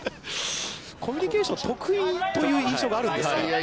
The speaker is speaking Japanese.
コミュニケーション得意という印象があるんですが。